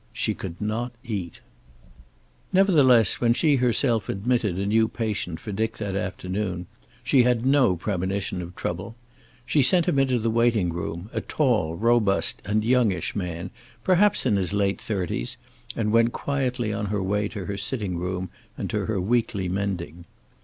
She could not eat. Nevertheless when she herself admitted a new patient for Dick that afternoon, she had no premonition of trouble. She sent him into the waiting room, a tall, robust and youngish man, perhaps in his late thirties, and went quietly on her way to her sitting room, and to her weekly mending.